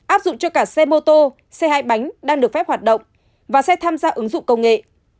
áp dụng cho cả xe mô tô xe hai bánh đang được phép hoạt động và xe tham gia ứng dụng công nghệ